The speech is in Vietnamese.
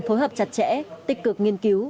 phối hợp chặt chẽ tích cực nghiên cứu